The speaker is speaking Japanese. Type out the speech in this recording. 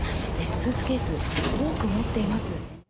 スーツケースを多く持っています。